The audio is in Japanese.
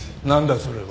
それは。